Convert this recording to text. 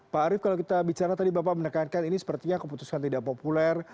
pak arief kalau kita bicara tadi bapak menekankan ini sepertinya keputusan tidak populer